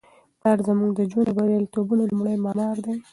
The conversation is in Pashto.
پلار زموږ د ژوند د بریالیتوبونو لومړی معمار دی.